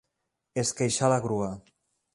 Esqueixar la grua.